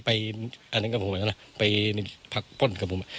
ไปอันนั้นกับผมนะไปพักป้นกับผม